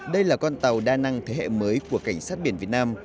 đây là con tàu đa năng thế hệ mới của cảnh sát biển việt nam